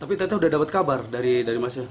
tapi teta udah dapat kabar dari masnya